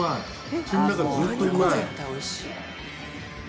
口の中ずっとうまい！